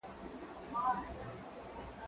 زه اوږده وخت د کتابتون لپاره کار کوم؟